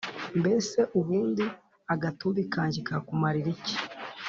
mbese ubundi agatumbi kanjye kakumarira iki ?